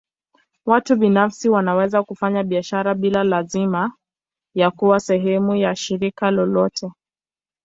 Watu binafsi wanaweza kufanya biashara bila lazima ya kuwa sehemu ya shirika lolote.